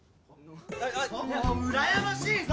うらやましいぞ！